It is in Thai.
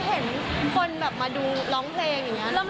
เห็นคนแบบมาดูร้องเพลงอย่างนี้